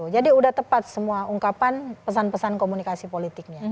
jadi sudah tepat semua ungkapan pesan pesan komunikasi politiknya